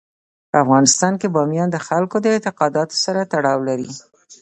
په افغانستان کې بامیان د خلکو د اعتقاداتو سره تړاو لري.